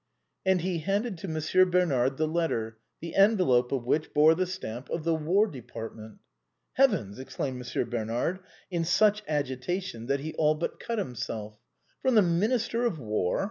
And he handed to Monsieur Bernard the letter, the enve lope of which bore the stamp of the War Department. " Heavens !" exclaimed Monsieur Bernard, in such agi tation that he all but cut himself, " From the Minister of War!